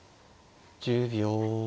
１０秒。